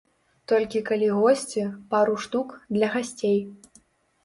Толькі калі госці, пару штук, для гасцей.